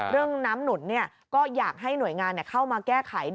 เรื่องน้ำหนุนก็อยากให้หน่วยงานเข้ามาแก้ไข